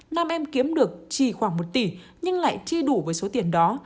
nam em kiếm được chỉ khoảng một tỷ nhưng lại chi đủ với số tiền đó